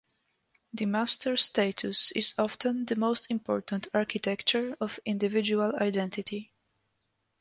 The master status is often the most important architecture of individual identity.